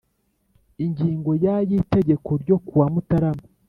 Ingingo ya y Itegeko ryo kuwa mutarama